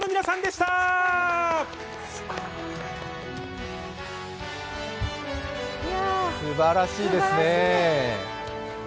すばらしいですね。